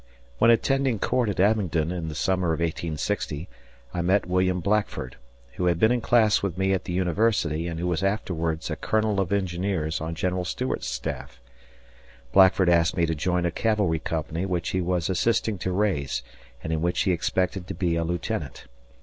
When attending court at Abingdon in the summer of 1860 I met William Blackford, who had been in class with me at the University and who was afterwards a colonel of engineers on General Stuart's staff. Blackford asked me to join a cavalry company which he was assisting to raise and in which he expected to be a lieutenant.